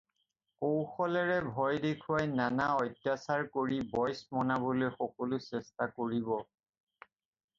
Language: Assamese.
কৌশলেৰে ভয় দেখুৱাই নানা অত্যাচাৰ কৰি বইচ মনাবলৈ সকলো চেষ্টা কৰিব